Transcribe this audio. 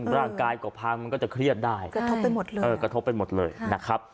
ร่างกายก่อพังมันก็จะเครียดได้กระทบไปหมดเลยนะครับ